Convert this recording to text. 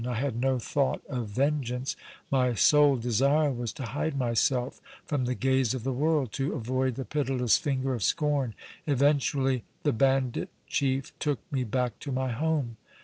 I had no thought of vengeance; my sole desire was to hide myself from the gaze of the world, to avoid the pitiless finger of scorn. Eventually the bandit chief took me back to my home.